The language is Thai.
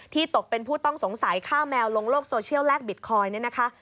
ที่ตกเป็นผู้ต้องสงสัยข้าวแมวลงโลกโซเชียลแลกบิตคอยน์